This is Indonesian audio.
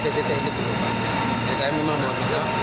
hidranya di sini masih belum terpaksa